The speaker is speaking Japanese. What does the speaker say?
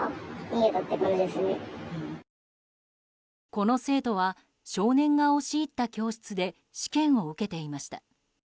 この生徒は少年が押し入った教室で試験を受けていました。